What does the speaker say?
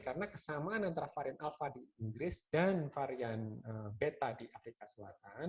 karena kesamaan antara varian alpha di inggris dan varian beta di afrika selatan